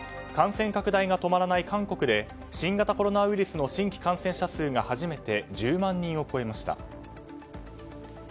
感染拡大が止まらない韓国で新型コロナウイルスの新規感染者数が初めて１０万人を超えました。